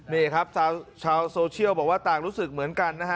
นี่ครับชาวโซเชียลบอกว่าต่างรู้สึกเหมือนกันนะฮะ